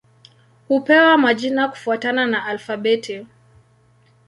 Hupewa majina kufuatana na alfabeti.